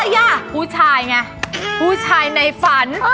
อ่ะผู้ชายไงผู้ชายในฝัน